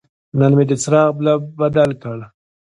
نن مې د څراغ بلب بدل کړ.